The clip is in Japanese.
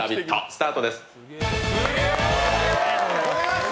スタートです！